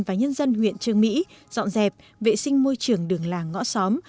và nhân dân huyện trương mỹ dọn dẹp vệ sinh môi trường đường làng ngõ xóm